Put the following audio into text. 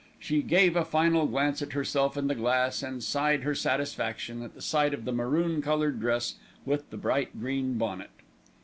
She gave a final glance at herself in the glass, and sighed her satisfaction at the sight of the maroon coloured dress with the bright green bonnet.